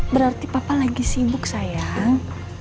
berarti papa lagi sibuk sayang